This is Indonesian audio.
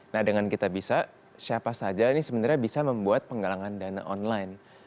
nah dengan kitabisa siapa saja ini sebenarnya bisa membuat penggalangan dana online